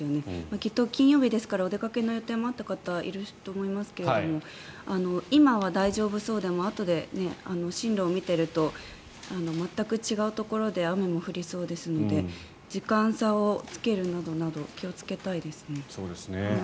きっと金曜日ですからお出かけの予定があった方もいたと思いますが今は大丈夫そうですけれど進路を見ていると全く違うところで雨も降りそうなので時間差をつけるなど気をつけたいですね。